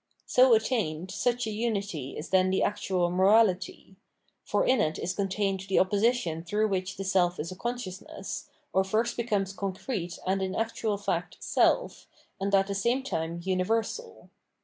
So attained, such a unity is then the actual morality ; for in it is contained the opposition through which the self is a consciousness, or first becomes concrete and in actual fact self, and at the same time universal.